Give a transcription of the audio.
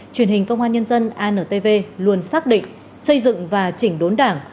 truyền hình công an nhân dân antv luôn xác định xây dựng và chỉnh đốn đảng